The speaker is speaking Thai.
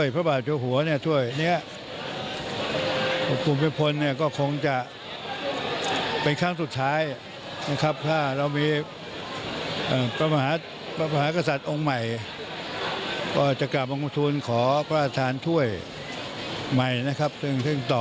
พระบาททานถ้วยใหม่ตึงต่อ